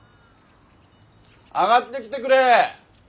上がってきてくれ！